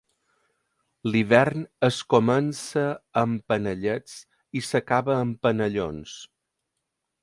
L'hivern es comença amb panellets i s'acaba amb penellons.